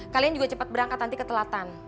kalian juga cepat berangkat nanti ketelatan